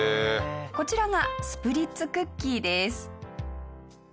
こちらがスプリッツクッキーです。